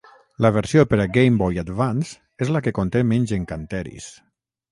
La versió per a Game Boy Advance és la que conté menys encanteris.